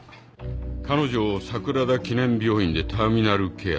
彼女桜田記念病院でターミナルケア